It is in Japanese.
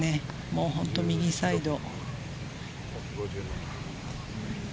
もう本当右サイド。